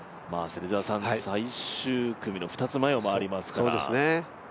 最終組の２つ前を回りますから。